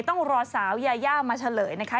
ต้องรอสาวยายามาเฉลยนะคะ